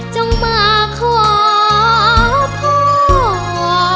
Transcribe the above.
จงมาขอพ่อ